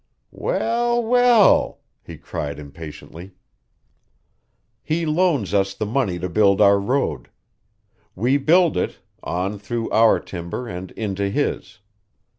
"Well, well," he cried impatiently. "He loans us the money to build our road. We build it on through our timber and into his.